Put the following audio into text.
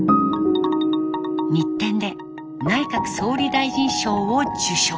日展で内閣総理大臣賞を受賞。